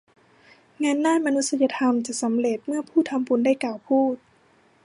งานด้านมนุษยธรรมจะสำเร็จเมื่อผู้ทำบุญได้กล่าวพูด